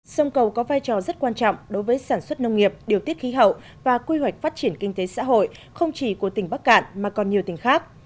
sông cầu có vai trò rất quan trọng đối với sản xuất nông nghiệp điều tiết khí hậu và quy hoạch phát triển kinh tế xã hội không chỉ của tỉnh bắc cạn mà còn nhiều tỉnh khác